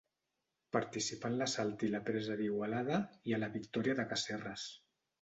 Participà en l'assalt i la presa d'Igualada i a la victòria de Casserres.